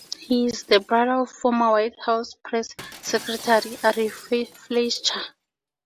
He is the brother of former White House press secretary Ari Fleischer.